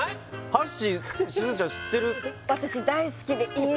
はっしーすずちゃん知ってる？